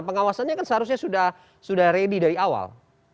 pengawasannya kan seharusnya sudah ready dari awal